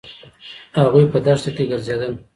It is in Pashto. هغوی په دښته کې ګرځېدل.